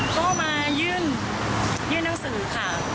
ก็มายื่นกูยืนหนังสือค่ะ